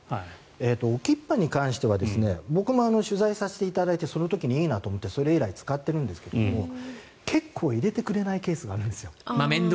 ＯＫＩＰＰＡに関しては僕も取材させていただいてその時にいいなと思ってそれ以来使ってるんですが結構入れてくれないケースがあるんです。